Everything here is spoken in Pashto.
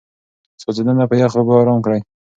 سوځېدنه په يخو اوبو آرام کړئ.